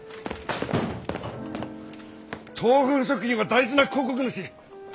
東風食品は大事な広告主。